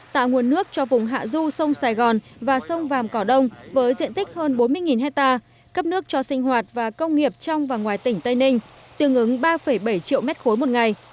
tạo nguồn nước cho vùng hạ du sông sài gòn và sông vàm cỏ đông với diện tích hơn bốn mươi hectare cấp nước cho sinh hoạt và công nghiệp trong và ngoài tỉnh tây ninh tương ứng ba bảy triệu m ba một ngày